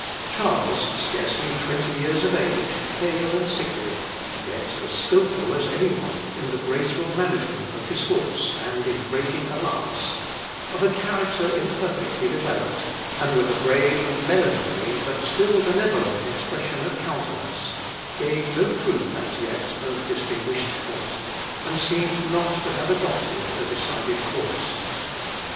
Charles, scarcely twenty years of age, pale and sickly, yet as skilful as any one in the graceful management of his horse and in breaking a lance, of a character imperfectly developed, and with a grave and melancholy but still benevolent expression of countenance, gave no proof as yet of distinguished talent, and seemed not to have adopted a decided course.